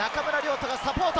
土がサポート。